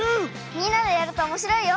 みんなでやるとおもしろいよ！